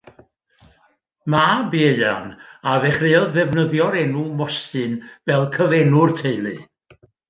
Mab Ieuan a ddechreuodd ddefnyddio'r enw Mostyn fel cyfenw'r teulu.